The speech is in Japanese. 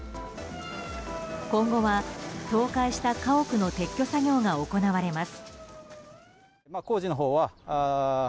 今後は、倒壊した家屋の撤去作業が行われます。